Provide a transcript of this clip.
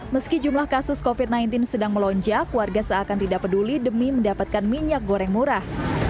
meski jumlah kasus covid sembilan belas sedang melonjak warga seakan tidak peduli demi mendapatkan minyak goreng murah